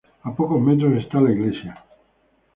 A pocos metros está la iglesia.